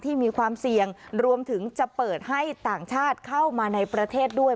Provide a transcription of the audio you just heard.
มีความเสี่ยงรวมถึงจะเปิดให้ต่างชาติเข้ามาในประเทศด้วย